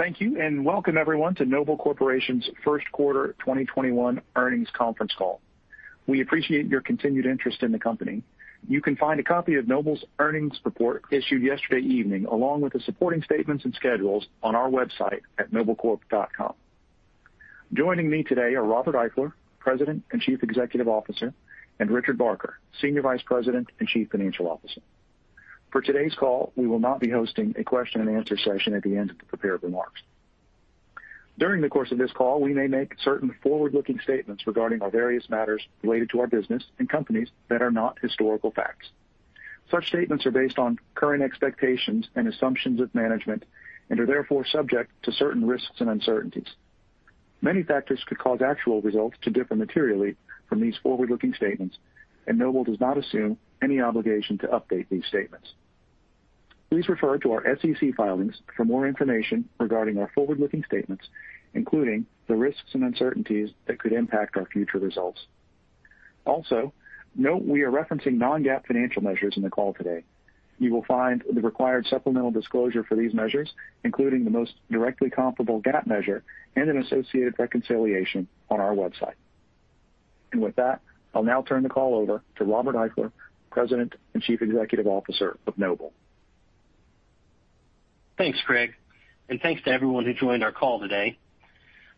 Thank you. Welcome everyone to Noble Corporation's first quarter 2021 earnings conference call. We appreciate your continued interest in the company. You can find a copy of Noble's earnings report issued yesterday evening, along with the supporting statements and schedules on our website at noblecorp.com. Joining me today are Robert Eifler, President and Chief Executive Officer, and Richard Barker, Senior Vice President and Chief Financial Officer. For today's call, we will not be hosting a question-and-answer session at the end of the prepared remarks. During the course of this call, we may make certain forward-looking statements regarding our various matters related to our business and companies that are not historical facts. Such statements are based on current expectations and assumptions of management and are therefore subject to certain risks and uncertainties. Many factors could cause actual results to differ materially from these forward-looking statements, and Noble does not assume any obligation to update these statements. Please refer to our SEC filings for more information regarding our forward-looking statements, including the risks and uncertainties that could impact our future results. Also, note we are referencing non-GAAP financial measures in the call today. You will find the required supplemental disclosure for these measures, including the most directly comparable GAAP measure and an associated reconciliation, on our website. With that, I'll now turn the call over to Robert Eifler, President and Chief Executive Officer of Noble. Thanks, Craig, and thanks to everyone who joined our call today.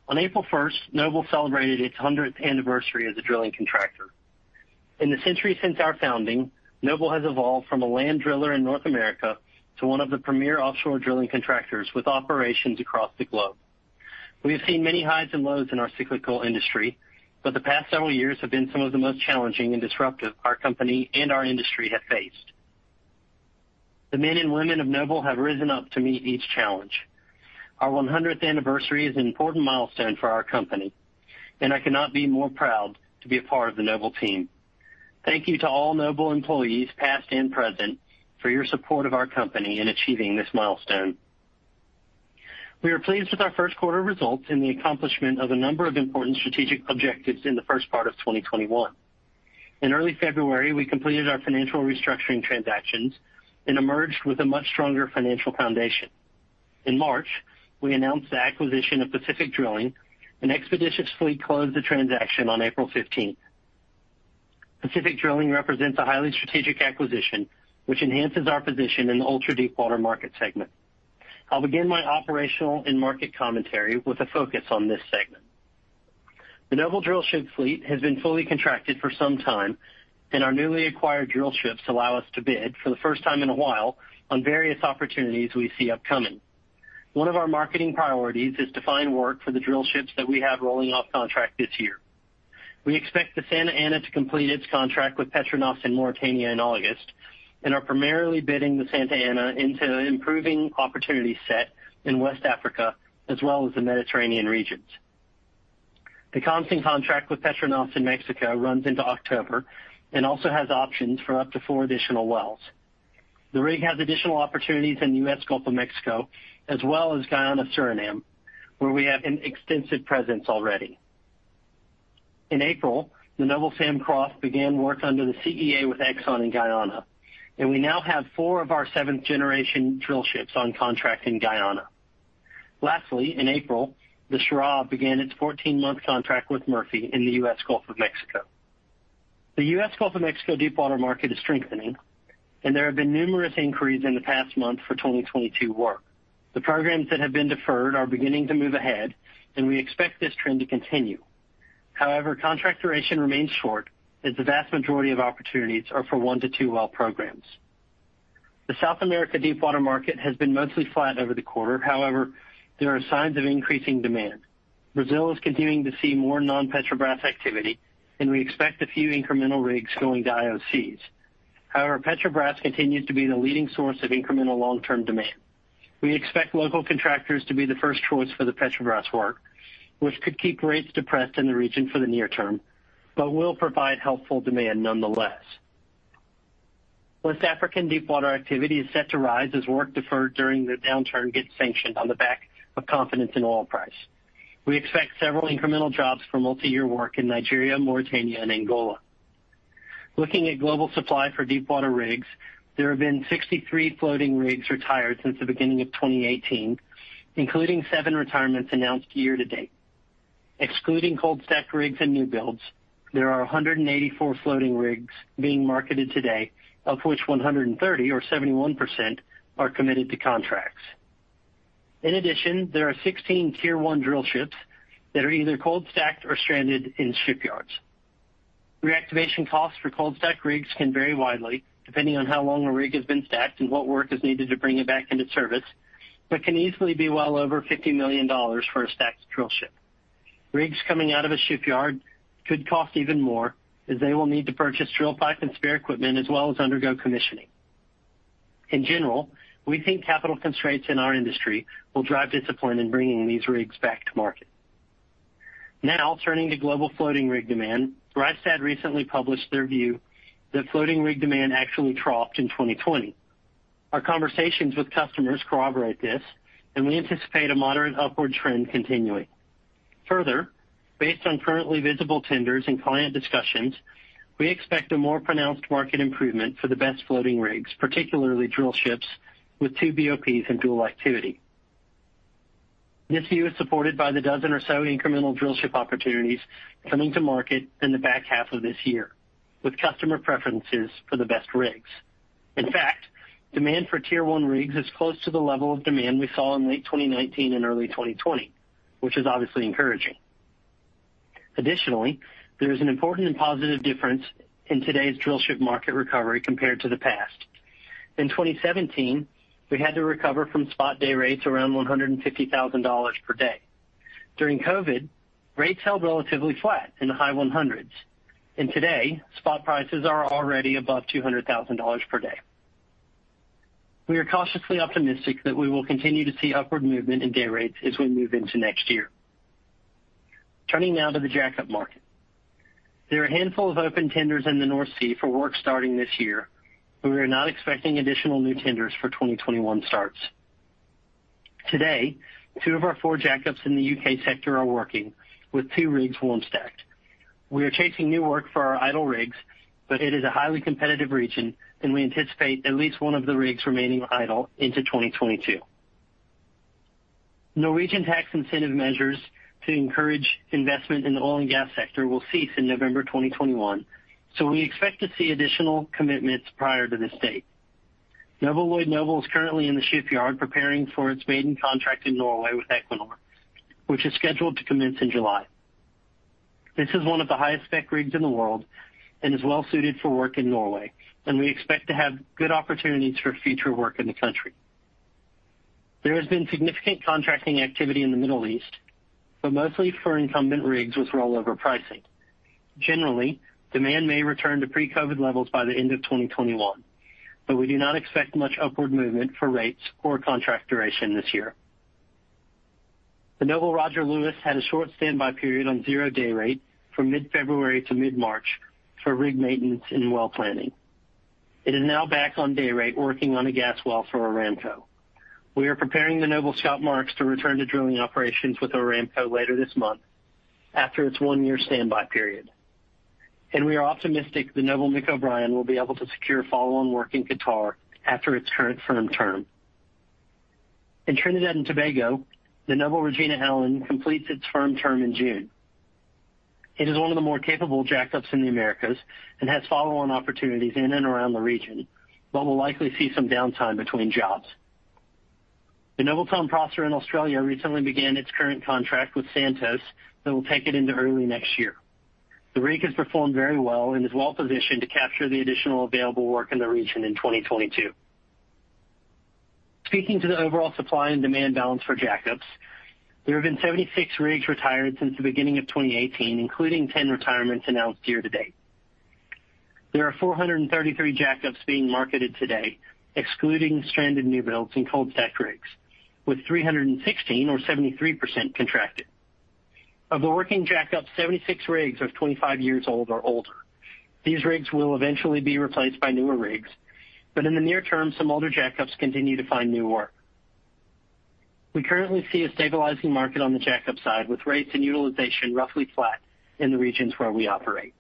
On April 1st, Noble celebrated its 100th anniversary as a drilling contractor. In the century since our founding, Noble has evolved from a land driller in North America to one of the premier offshore drilling contractors with operations across the globe. We have seen many highs and lows in our cyclical industry, but the past several years have been some of the most challenging and disruptive our company and our industry have faced. The men and women of Noble have risen up to meet each challenge. Our 100th anniversary is an important milestone for our company, and I cannot be more proud to be a part of the Noble team. Thank you to all Noble employees, past and present, for your support of our company in achieving this milestone. We are pleased with our first quarter results and the accomplishment of a number of important strategic objectives in the first part of 2021. In early February, we completed our financial restructuring transactions and emerged with a much stronger financial foundation. In March, we announced the acquisition of Pacific Drilling and expeditiously closed the transaction on April 15th. Pacific Drilling represents a highly strategic acquisition, which enhances our position in the ultra-deepwater market segment. I'll begin my operational and market commentary with a focus on this segment. The Noble drillship fleet has been fully contracted for some time, and our newly acquired drillships allow us to bid, for the first time in a while, on various opportunities we see upcoming. One of our marketing priorities is to find work for the drillships that we have rolling off contract this year. We expect the Santa Ana to complete its contract with Petronas in Mauritania in August and are primarily bidding the Santa Ana into an improving opportunity set in West Africa as well as the Mediterranean regions. The Khamsin contract with Petronas in Mexico runs into October and also has options for up to four additional wells. The rig has additional opportunities in the U.S. Gulf of Mexico as well as Guyana-Suriname, where we have an extensive presence already. In April, the Noble Sam Croft began work under the CEA with Exxon in Guyana, and we now have four of our seventh-generation drillships on contract in Guyana. Lastly, in April, the Sharav began its 14-month contract with Murphy in the U.S. Gulf of Mexico. The U.S. Gulf of Mexico deepwater market is strengthening, and there have been numerous inquiries in the past month for 2022 work. The programs that have been deferred are beginning to move ahead, and we expect this trend to continue. Contract duration remains short as the vast majority of opportunities are for one to two well programs. The South America deepwater market has been mostly flat over the quarter. There are signs of increasing demand. Brazil is continuing to see more non-Petrobras activity, and we expect a few incremental rigs going to IOCs. Petrobras continues to be the leading source of incremental long-term demand. We expect local contractors to be the first choice for the Petrobras work, which could keep rates depressed in the region for the near term but will provide helpful demand nonetheless. West African deepwater activity is set to rise as work deferred during the downturn gets sanctioned on the back of confidence in oil price. We expect several incremental jobs for multiyear work in Nigeria, Mauritania, and Angola. Looking at global supply for deepwater rigs, there have been 63 floating rigs retired since the beginning of 2018, including seven retirements announced year-to-date. Excluding cold-stacked rigs and new builds, there are 184 floating rigs being marketed today, of which 130 floating rigs, or 71%, are committed to contracts. In addition, there are 16 Tier 1 drillships that are either cold-stacked or stranded in shipyards. Reactivation costs for cold-stacked rigs can vary widely depending on how long a rig has been stacked and what work is needed to bring it back into service, but can easily be well over $50 million for a stacked drillship. Rigs coming out of a shipyard could cost even more as they will need to purchase drill pipe and spare equipment as well as undergo commissioning. In general, we think capital constraints in our industry will drive discipline in bringing these rigs back to market. Turning to global floating rig demand. Rystad recently published their view that floating rig demand actually troughed in 2020. Our conversations with customers corroborate this, and we anticipate a moderate upward trend continuing. Based on currently visible tenders and client discussions, we expect a more pronounced market improvement for the best floating rigs, particularly drillships with two BOPs and dual activity. This view is supported by the dozen or so incremental drillship opportunities coming to market in the back half of this year, with customer preferences for the best rigs. Demand for Tier 1 rigs is close to the level of demand we saw in late 2019 and early 2020, which is obviously encouraging. Additionally, there is an important and positive difference in today's drillship market recovery compared to the past. In 2017, we had to recover from spot dayrates around $150,000 per day. During COVID, rates held relatively flat in the high-100s. Today, spot prices are already above $200,000 per day. We are cautiously optimistic that we will continue to see upward movement in dayrates as we move into next year. Turning now to the jackup market. There are a handful of open tenders in the North Sea for work starting this year, but we are not expecting additional new tenders for 2021 starts. Today, two of our four jackups in the U.K. sector are working, with two rigs warm stacked. We are chasing new work for our idle rigs, but it is a highly competitive region, and we anticipate at least one of the rigs remaining idle into 2022. Norwegian tax incentive measures to encourage investment in the oil and gas sector will cease in November 2021, so we expect to see additional commitments prior to this date. Noble Lloyd Noble is currently in the shipyard preparing for its maiden contract in Norway with Equinor, which is scheduled to commence in July. This is one of the highest-spec rigs in the world and is well-suited for work in Norway, and we expect to have good opportunities for future work in the country. There has been significant contracting activity in the Middle East, but mostly for incumbent rigs with rollover pricing. Generally, demand may return to pre-COVID levels by the end of 2021, but we do not expect much upward movement for rates or contract duration this year. The Noble Roger Lewis had a short standby period on zero dayrate from mid-February to mid-March for rig maintenance and well planning. It is now back on dayrate working on a gas well for Aramco. We are preparing the Noble Scott Marks to return to drilling operations with Aramco later this month after its one-year standby period. We are optimistic the Noble Mick O'Brien will be able to secure follow-on work in Qatar after its current firm term. In Trinidad and Tobago, the Noble Regina Allen completes its firm term in June. It is one of the more capable jackups in the Americas and has follow-on opportunities in and around the region, but will likely see some downtime between jobs. The Noble Tom Prosser in Australia recently began its current contract with Santos that will take it into early next year. The rig has performed very well and is well-positioned to capture the additional available work in the region in 2022. Speaking to the overall supply and demand balance for jackups, there have been 76 rigs retired since the beginning of 2018, including 10 retirements announced year-to-date. There are 433 jackups being marketed today, excluding stranded newbuilds and cold-stacked rigs, with 316 or 73% contracted. Of the working jackups, 76 rigs are 25 years old or older. These rigs will eventually be replaced by newer rigs, but in the near term, some older jackups continue to find new work. We currently see a stabilizing market on the jackup side, with rates and utilization roughly flat in the regions where we operate.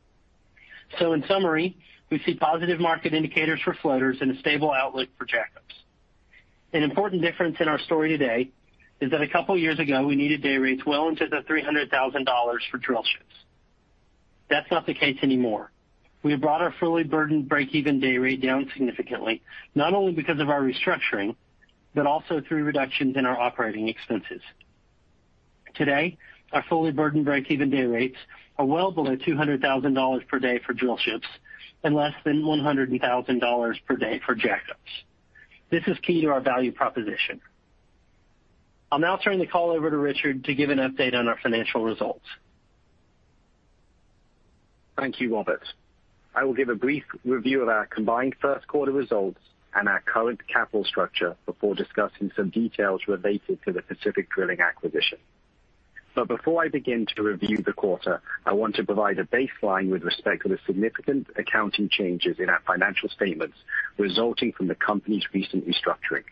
In summary, we see positive market indicators for floaters and a stable outlook for jackups. An important difference in our story today is that a couple years ago, we needed dayrates well into $300,000 for drillships. That's not the case anymore. We have brought our fully burdened break-even dayrate down significantly, not only because of our restructuring, but also through reductions in our operating expenses. Today, our fully burdened break-even dayrates are well below $200,000 per day for drillships and less than $100,000 per day for jackups. This is key to our value proposition. I'll now turn the call over to Richard to give an update on our financial results. Thank you, Robert. I will give a brief review of our combined first quarter results and our current capital structure before discussing some details related to the Pacific Drilling acquisition. Before I begin to review the quarter, I want to provide a baseline with respect to the significant accounting changes in our financial statements resulting from the company's recent restructuring.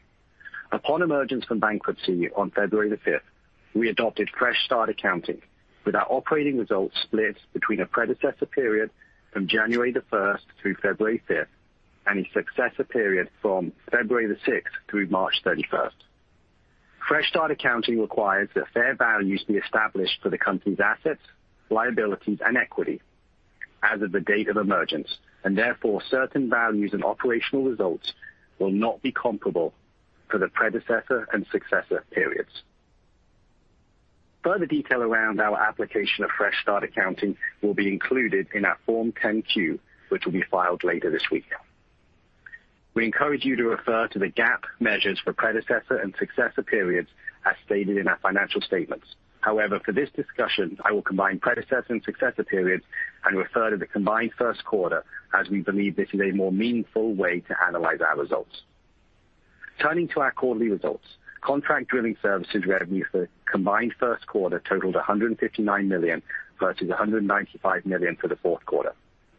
Upon emergence from bankruptcy on February 5th, we adopted fresh start accounting, with our operating results split between a predecessor period from January 1st through February 5th, and a successor period from February 6th through March 31st. Fresh start accounting requires that fair values be established for the company's assets, liabilities, and equity as of the date of emergence, and therefore, certain values and operational results will not be comparable for the predecessor and successor periods. Further detail around our application of fresh start accounting will be included in our Form 10-Q, which will be filed later this week. We encourage you to refer to the GAAP measures for predecessor and successor periods as stated in our financial statements. However, for this discussion, I will combine predecessor and successor periods and refer to the combined first quarter as we believe this is a more meaningful way to analyze our results. Turning to our quarterly results, contract drilling services revenues for combined first quarter totaled $159 million versus $195 million for the fourth quarter.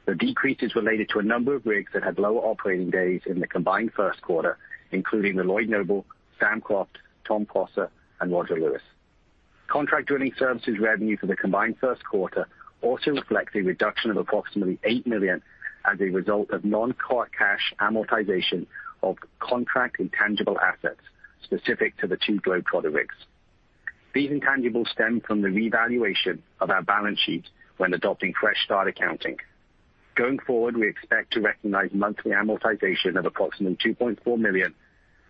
The decrease is related to a number of rigs that had lower operating days in the combined first quarter, including the Lloyd Noble, Sam Croft, Tom Prosser, and Roger Lewis. Contract drilling services revenue for the combined first quarter also reflects a reduction of approximately $8 million as a result of non-core cash amortization of contract intangible assets specific to the two Globetrotter rigs. These intangibles stem from the revaluation of our balance sheet when adopting fresh start accounting. Going forward, we expect to recognize monthly amortization of approximately $2.4 million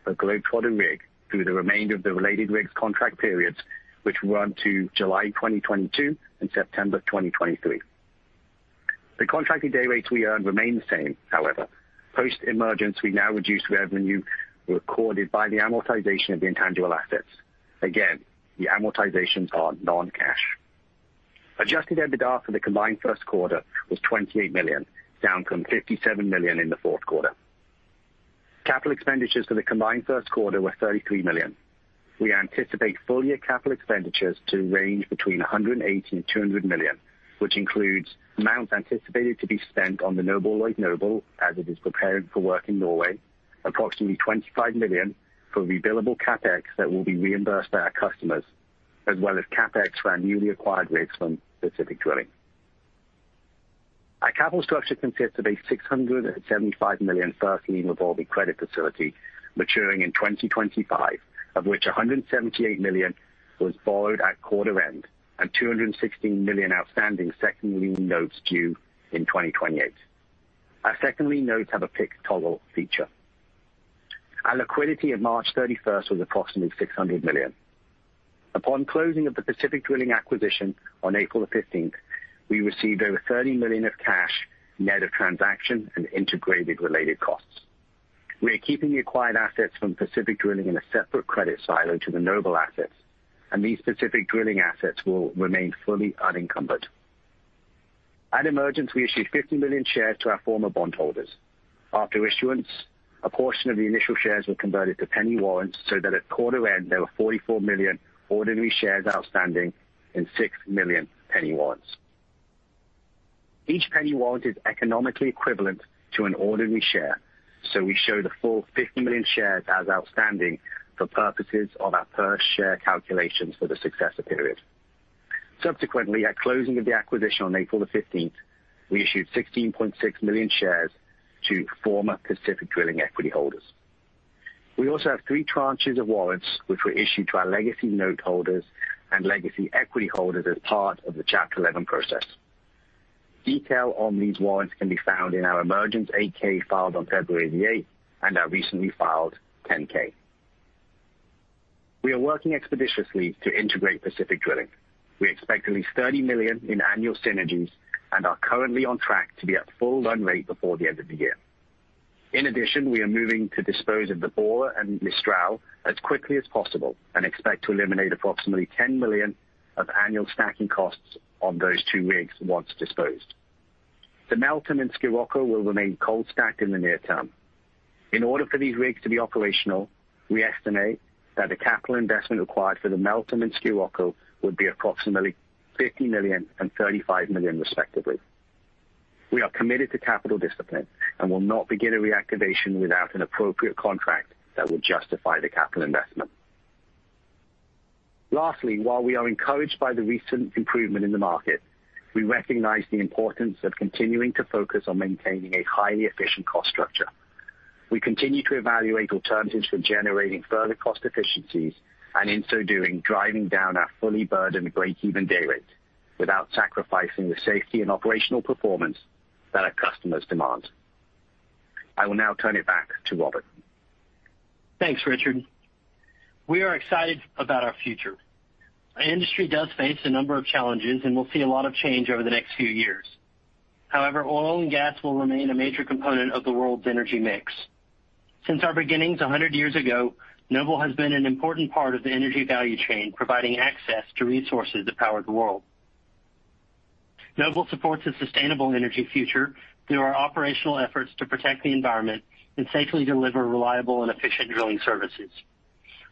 per Globetrotter rig through the remainder of the related rigs contract periods, which run to July 2022 and September 2023. The contracted dayrates we earn remain the same, however. Post-emergence, we now reduce revenue recorded by the amortization of the intangible assets. Again, the amortizations are non-cash. Adjusted EBITDA for the combined first quarter was $28 million, down from $57 million in the fourth quarter. Capital expenditures for the combined first quarter were $33 million. We anticipate full-year capital expenditures to range between $180 million and $200 million, which includes amounts anticipated to be spent on the Noble Lloyd Noble as it is preparing for work in Norway, approximately $25 million for billable CapEx that will be reimbursed by our customers, as well as CapEx for our newly acquired rigs from Pacific Drilling. Our capital structure consists of a $675 million first-lien revolving credit facility maturing in 2025, of which $178 million was borrowed at quarter end and $216 million outstanding second-lien notes due in 2028. Our second-lien notes have a PIK Toggle feature. Our liquidity at March 31st was approximately $600 million. Upon closing of the Pacific Drilling acquisition on April the 15th, we received over $30 million of cash net of transaction and integrated related costs. We are keeping the acquired assets from Pacific Drilling in a separate credit silo to the Noble assets, and these Pacific Drilling assets will remain fully unencumbered. At emergence, we issued 50 million shares to our former bondholders. After issuance, a portion of the initial shares were converted to penny warrants so that at quarter end, there were 44 million ordinary shares outstanding and 6 million penny warrants. Each penny warrant is economically equivalent to an ordinary share, so we show the full 50 million shares as outstanding for purposes of our per-share calculations for the successor period. Subsequently, at closing of the acquisition on April the 15th, we issued 16.6 million shares to former Pacific Drilling equity holders. We also have three tranches of warrants, which were issued to our legacy note holders and legacy equity holders as part of the Chapter 11 process. Detail on these warrants can be found in our emergence 8-K filed on February the 8th and our recently filed 10-K. We are working expeditiously to integrate Pacific Drilling. We expect at least $30 million in annual synergies and are currently on track to be at full run rate before the end of the year. We are moving to dispose of the Bora and Mistral as quickly as possible and expect to eliminate approximately $10 million of annual stacking costs on those two rigs once disposed. The Meltem and Scirocco will remain cold stacked in the near term. In order for these rigs to be operational, we estimate that the capital investment required for the Meltem and Scirocco would be approximately $50 million and $35 million, respectively. We are committed to capital discipline and will not begin a reactivation without an appropriate contract that will justify the capital investment. Lastly, while we are encouraged by the recent improvement in the market, we recognize the importance of continuing to focus on maintaining a highly efficient cost structure. We continue to evaluate alternatives for generating further cost efficiencies, and in so doing, driving down our fully burdened breakeven dayrate without sacrificing the safety and operational performance that our customers demand. I will now turn it back to Robert. Thanks, Richard. We are excited about our future. Our industry does face a number of challenges, and we'll see a lot of change over the next few years. However, oil and gas will remain a major component of the world's energy mix. Since our beginnings 100 years ago, Noble has been an important part of the energy value chain, providing access to resources that power the world. Noble supports a sustainable energy future through our operational efforts to protect the environment and safely deliver reliable and efficient drilling services.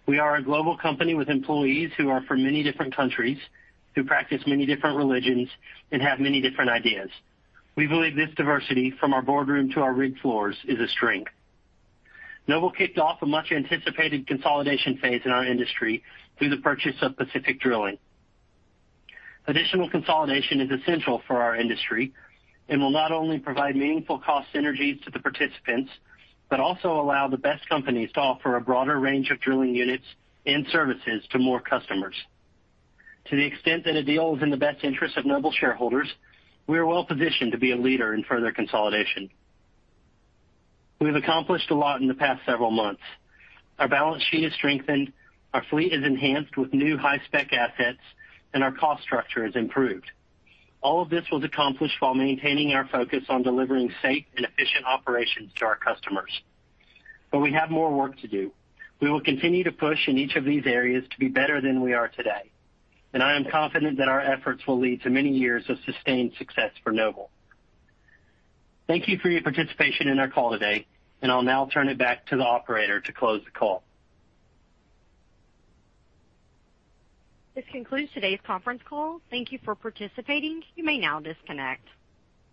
We are a global company with employees who are from many different countries, who practice many different religions and have many different ideas. We believe this diversity, from our boardroom to our rig floors, is a strength. Noble kicked off a much-anticipated consolidation phase in our industry through the purchase of Pacific Drilling. Additional consolidation is essential for our industry and will not only provide meaningful cost synergies to the participants but also allow the best companies to offer a broader range of drilling units and services to more customers. To the extent that a deal is in the best interest of Noble shareholders, we are well-positioned to be a leader in further consolidation. We've accomplished a lot in the past several months. Our balance sheet has strengthened, our fleet is enhanced with new high-spec assets, and our cost structure has improved. All of this was accomplished while maintaining our focus on delivering safe and efficient operations to our customers. We have more work to do. We will continue to push in each of these areas to be better than we are today, and I am confident that our efforts will lead to many years of sustained success for Noble. Thank you for your participation in our call today, and I'll now turn it back to the operator to close the call. This concludes today's conference call. Thank you for participating. You may now disconnect.